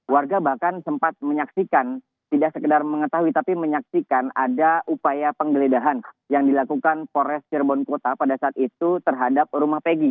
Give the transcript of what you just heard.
warga bahkan sempat menyaksikan tidak sekedar mengetahui tapi menyaksikan ada upaya penggeledahan yang dilakukan pores cirebon kota pada saat itu terhadap rumah pegi